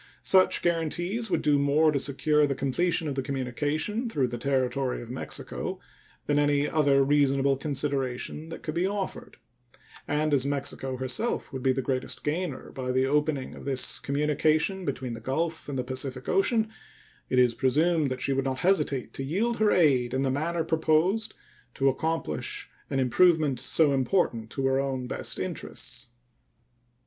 Such guaranties would do more to secure the completion of the communication through the territory of Mexico than any other reasonable consideration that could be offered; and as Mexico herself would be the greatest gainer by the opening of this communication between the Gulf and the Pacific Ocean, it is presumed that she would not hesitate to yield her aid in the manner proposed to accomplish an improvement so important to her own best interests.